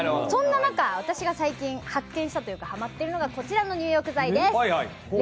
そんな中、私が最近、発見したというか、ハマっているのが、こちらの入浴剤です。